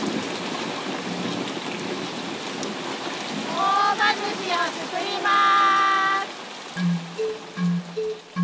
朴葉ずしをつくります！